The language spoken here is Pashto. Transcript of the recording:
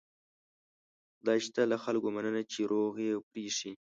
خدای شته له خلکو مننه چې روغ یې پرېښي.